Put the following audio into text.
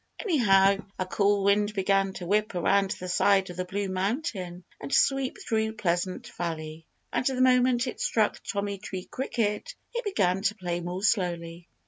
Anyhow, a cool wind began to whip around the side of Blue Mountain and sweep through Pleasant Valley. And the moment it struck Tommy Tree Cricket he began to play more slowly.